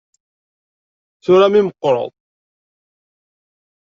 Tura mi tmeqqreḍ.